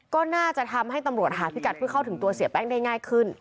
ก็น่าจะทำให้ตำรวจหาพิกัดเพื่อเข้าถึงตัวเสียแป้งได้ง่ายขึ้น